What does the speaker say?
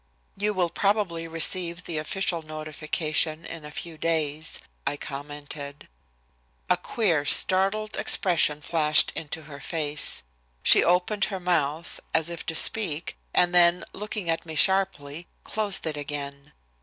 "You will probably receive the official notification in a few days," I commented. A queer, startled expression flashed into her face. She opened her mouth, as if to speak, and then, looking at me sharply, closed it again.